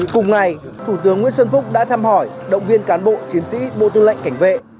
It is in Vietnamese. cùng ngày thủ tướng nguyễn xuân phúc đã thăm hỏi động viên cán bộ chiến sĩ bộ tư lệnh cảnh vệ